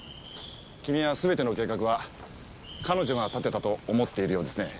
君は全ての計画は彼女が立てたと思っているようですね。